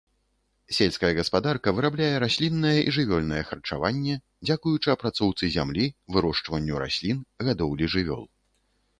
Сельская гаспадарка вырабляе расліннае і жывёльнае харчаванне, дзякуючы апрацоўцы зямлі, вырошчванню раслін, гадоўлі жывёл.